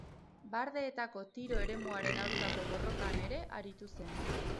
Bardeetako tiro eremuaren aurkako borrokan ere aritu zen.